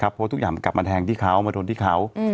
เพราะทุกอย่างมันกลับมาแทงที่เขามาโดนที่เขา